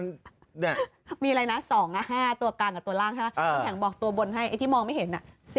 น้ำแข็งบอกตัวบนให้ไอ้ที่มองไม่เห็นอะ๔